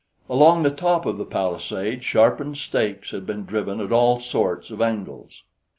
Along the top of the palisade sharpened stakes had been driven at all sorts of angles.